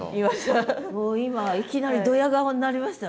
今いきなりドヤ顔になりました。